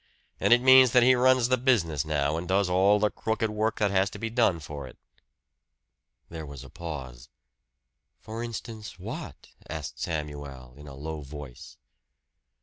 And it means that he runs the business now, and does all the crooked work that has to be done for it." There was a pause. "For instance, what?" asked Samuel in a low voice.